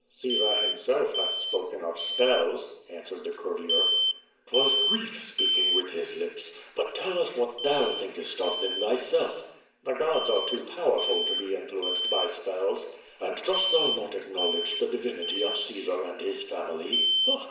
"Caesar himself hath spoken of spells," answered the cour* tier. QUO VADTS, 117 "'Twas grief speaking with his lips. But tell us what thou thinkest of them thyself?" "The gods are too powerful to be influenced by spells." "And dost thou not acknowledge the divinity of Caesar and his family?"